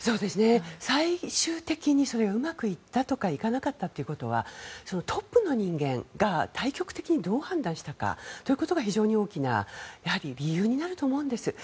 最終的にそれがうまくいったとかいかなかったとかいうことはトップの人間が大局的にどう判断したかが非常に大きな理由になると思うんです。